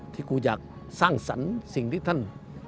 ที่กูอยากสร้างสรรค์สิ่งที่ท่าน